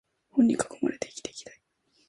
本に囲まれて生きていたい